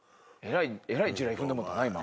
えらい地雷踏んでもうたな今。